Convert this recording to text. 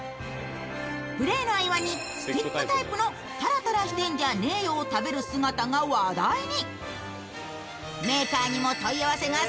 プレーの合間にスティックタイプのタラタラしてんじゃねよを食べる姿が話題に。